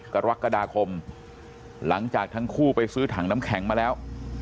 กรกฎาคมหลังจากทั้งคู่ไปซื้อถังน้ำแข็งมาแล้ว